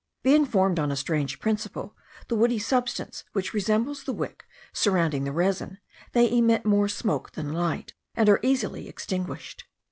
Being formed on a strange principle, the woody substance which resembles the wick surrounding the resin, they emit more smoke than light, and are easily extinguished.